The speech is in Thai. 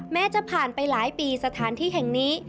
จะผ่านไปหลายปีสถานที่แห่งนี้